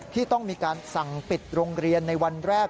ที่ต้องมีการสั่งปิดโรงเรียนในวันแรก